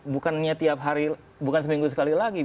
bukannya tiap hari bukan seminggu sekali lagi